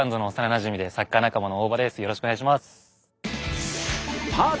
よろしくお願いします。